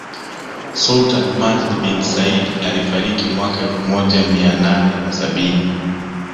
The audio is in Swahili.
Sultani Majid bin Said alifariki mwaka elfu moja Mia nane na sabini